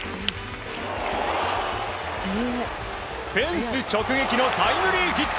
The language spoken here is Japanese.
フェンス直撃のタイムリーヒット。